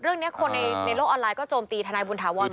เรื่องนี้คนในโลกออนไลน์ก็โจมตีทนายบุญถาวร